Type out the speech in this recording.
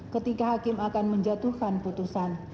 ketika hakim akan menjatuhkan putusan